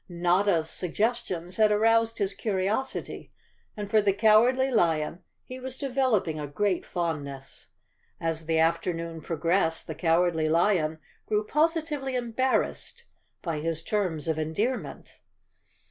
Notta's suggestions had aroused his curiosity, and for the Cowardly Lion he was developing a great fondness. As the afternoon progressed the Cowardly Lion grew positively embar¬ rassed by his terms of endearment.